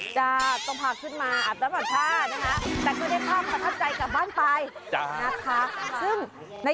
จ้าต้องพาขึ้นมาอาบน้ำหวัดชาตินะครับแต่ก็ได้ความขอบใจกลับบ้านไปนะคะ